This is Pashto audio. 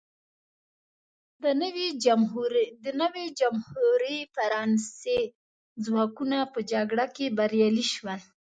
د نوې جمهوري فرانسې ځواکونه په جګړه کې بریالي شول.